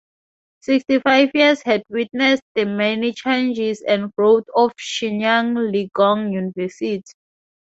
Sixty-five years has witnessed the many changes and growth of Shenyang Ligong University.